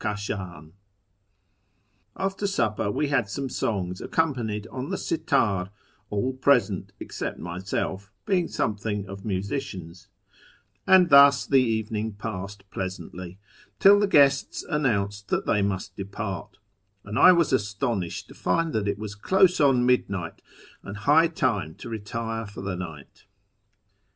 FROM TEH ERA N TO ISFAHAN 1S5 After supper we had some songs accompanied on the si tdr, all present, except myself, being something of musicians, and thus the evening passed pleasantly, till the guests announced that they must depart, and I was astonished to find that it was close on midnight, and high time to retire for the night.